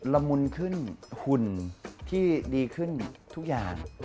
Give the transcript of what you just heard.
ละมุนขึ้นหุ่นที่ดีขึ้นทุกอย่าง